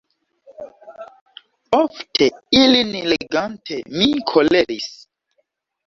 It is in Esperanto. Ofte, ilin legante, mi koleris.